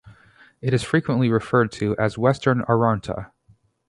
It is frequently referred to as Western Arrarnta.